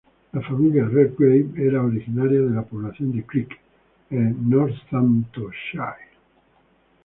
La familia Redgrave era originaria de la población de Crick, en Northamptonshire.